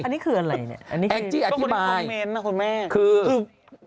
อันนี้คืออะไรเนี่ยแองจิอธิบายคือคือ